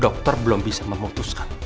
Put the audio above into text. dokter belum bisa memutuskan